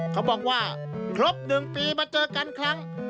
เขาบอกว่าครบ๑ปีมาเจอกันครั้ง